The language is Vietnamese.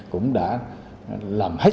cũng đã làm hết